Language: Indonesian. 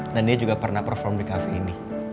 dan dia juga pernah perform di cafe ini